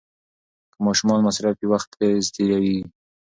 که ماشومان مصروف وي، وخت تېز تېریږي.